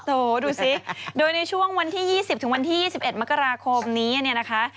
โหดูสิโดยในช่วงวันที่๒๐ถึงวันที่๒๑มกราคมนี้เนี่ยนะคะ